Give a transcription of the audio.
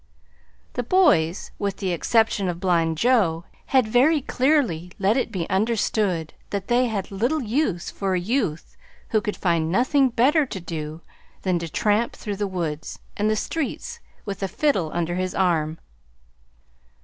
The boys with the exception of blind Joe had very clearly let it be understood that they had little use for a youth who could find nothing better to do than to tramp through the woods and the streets with a fiddle under his arm.